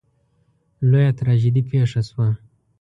لویه تراژیدي پېښه شوه.